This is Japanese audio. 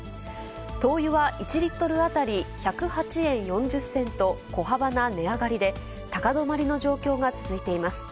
灯油は１リットル当たり１０８円４０銭と小幅な値上がりで、高止まりの状況が続いています。